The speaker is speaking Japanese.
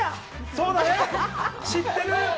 そうだね知ってる。